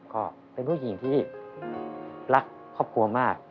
ก็เป็นผู้หญิงที่รักครอบครัวมาก